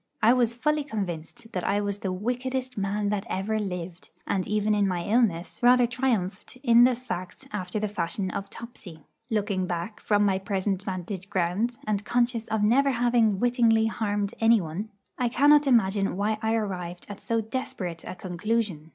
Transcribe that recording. I was fully convinced that I was the wickedest man that ever lived, and even in my illness rather triumphed in the fact after the fashion of Topsy. Looking back from my present vantage ground, and conscious of never having wittingly harmed anyone, I cannot imagine why I arrived at so desperate a conclusion.